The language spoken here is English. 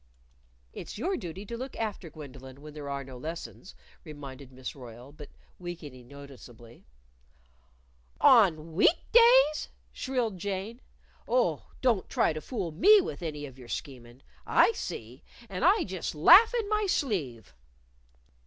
"It's your duty to look after Gwendolyn when there are no lessons," reminded Miss Royle, but weakening noticeably. "On week days?" shrilled Jane. "Oh, don't try to fool me with any of your schemin'! I see. And I just laugh in my sleeve!"